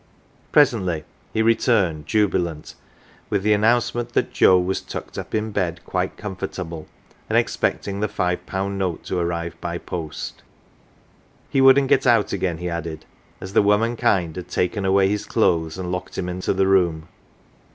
Presently he returned jubilant, with the an nouncement that Joe was tucked up in bed quite comfortable, and expecting the five pound note to arrive by post. He wouldn't get out again, he added, 'as the womankind had taken away his clothes and locked him into the room.